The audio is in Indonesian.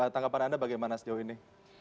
tanggapan anda bagaimana sejauh ini